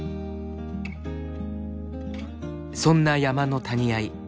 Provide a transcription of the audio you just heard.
そんな山の谷あい。